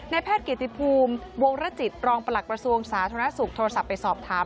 ในแพทย์กิจภูมิวงฤจิตรองประหลักประสูงสาธารณสุขโทรศัพท์ไปสอบถาม